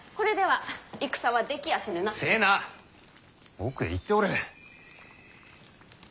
奥へ行っておれ。